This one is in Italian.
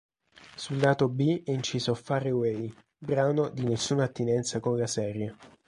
Sul lato B è inciso "Far Away", brano di nessuna attinenza con la serie.